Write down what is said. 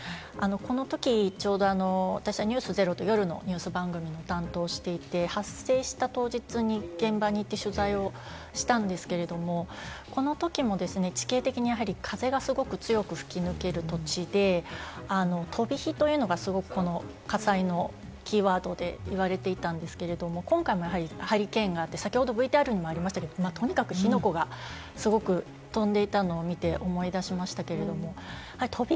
このとき、私、『ｎｅｗｓｚｅｒｏ』という夜のニュース番組を担当していて、発生した当日に現場に行って取材をしたんですけれども、このときも地形的に風がすごく強く吹き抜ける土地で、飛び火というのがすごく、火災のキーワードで言われていたんですけれども、今回もハリケーンがあって、ＶＴＲにもありましたが、とにかく火の粉がすごく飛んでいたのを見て、思い出しました。